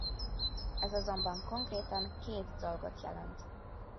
Ez azonban konkrétan két dolgot jelent.